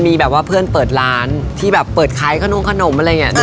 มีเพื่อนเปิดร้านแต่ที่แบบเปิดคล้ายขนมอะไรอย่างงี้